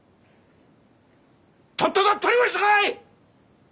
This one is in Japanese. とっとと取り戻してこい！